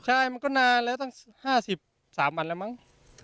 ใช่มันก็นานแล้วตั้ง๕๓วันแล้วมั้ง